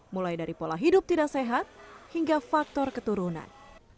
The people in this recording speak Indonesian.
mulai dari pola hidup tidak sehat hingga faktor keturunan